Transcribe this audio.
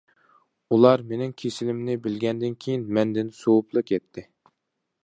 ئۇلار مېنىڭ كېسىلىمنى بىلگەندىن كېيىن مەندىن سوۋۇپلا كەتتى.